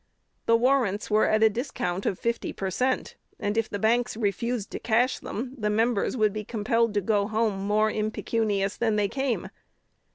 The warrants were at a discount of fifty per cent; and, if the banks refused to cash them, the members would be compelled to go home more impecunious than they came.